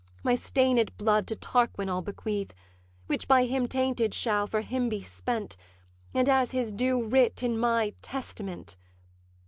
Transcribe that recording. My stained blood to Tarquin I'll bequeath, Which by him tainted shall for him be spent, And as his due writ in my testament.